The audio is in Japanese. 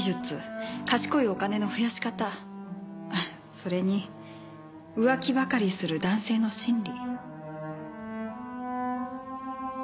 それに浮気ばかりする男性の心理。